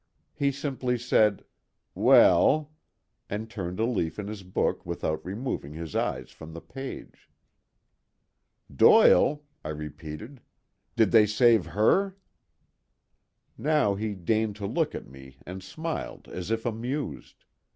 He simply said, "Well," and turned a leaf in his book without removing his eyes from the page. "Doyle," I repeated, "did they save her?" He now deigned to look at me and smiled as if amused.